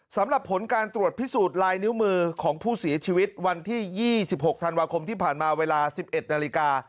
สำหรับผลการตรวจพิสูจน์ลายนิ้วมือของผู้เสียชีวิตวันที่๒๖ธันวาคมที่ผ่านมาเวลา๑๑นาฬิกา